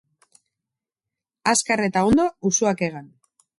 Azkar eta ondo, usoak hegan.